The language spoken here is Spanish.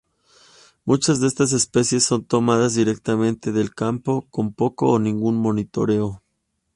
Muchas de estas especies son tomadas directamente del campo con poco o ningún monitoreo.